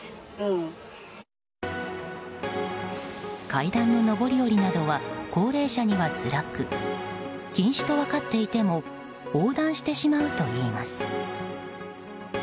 階段の上り下りなどは高齢者にはつらく禁止と分かっていても横断してしまうといいます。